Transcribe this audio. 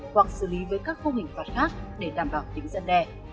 hoặc xử lý với các khu hình phạt khác để đảm bảo tính gian đe